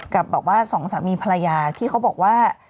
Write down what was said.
กับแบบว่าสองสามีภรรยาที่เขาบอกว่า